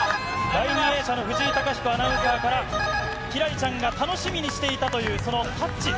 第２泳者の藤井貴彦アナウンサーから、輝星ちゃんが楽しみにしていたというそのタッチ。